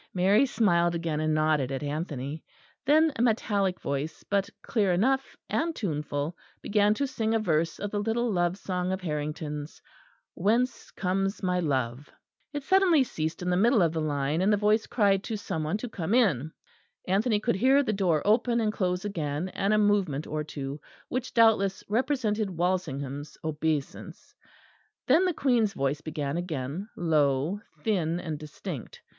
Mary smiled again and nodded at Anthony. Then, a metallic voice, but clear enough and tuneful, began to sing a verse of the little love song of Harrington's, Whence comes my love? It suddenly ceased in the middle of the line, and the voice cried to some one to come in. Anthony could hear the door open and close again, and a movement or two, which doubtless represented Walsingham's obeisance. Then the Queen's voice began again, low, thin, and distinct.